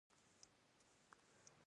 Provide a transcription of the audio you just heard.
قلم د رڼا خپروونکی دی